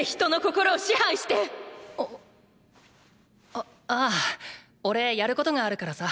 あああおれやることがあるからさ。